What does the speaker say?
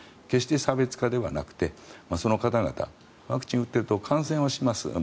決して差別化ではなくてその方々ワクチンを打っていても感染はします。